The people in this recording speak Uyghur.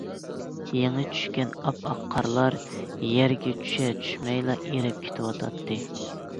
يېڭى چۈشكەن ئاپئاق قارلار يەرگە چۈشە چۈشمەيلا ئېرىپ كېتىۋاتاتتى.